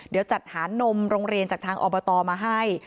เดี๋ยวจัดหานมโรงเรียนจากทางอบตมาให้